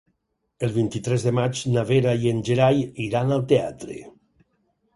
El vint-i-tres de maig na Vera i en Gerai iran al teatre.